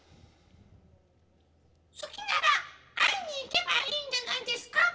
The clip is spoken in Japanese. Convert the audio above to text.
好きなら会いに行けばいいんじゃないですか？